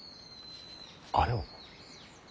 あれを。